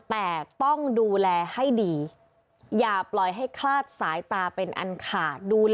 แต่ต้องดูแลให้ดีอย่าปล่อยให้คลาดสายตาเป็นอันขาด